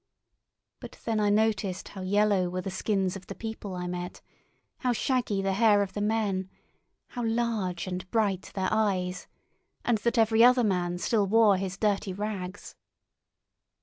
But then I noticed how yellow were the skins of the people I met, how shaggy the hair of the men, how large and bright their eyes, and that every other man still wore his dirty rags.